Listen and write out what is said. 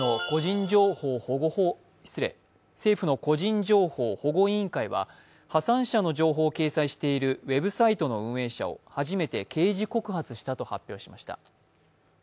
政府の個人情報保護委員会は破産者の名前や住所などを掲載しているウェブサイトの運営者を初めて刑事告発したと発表しました。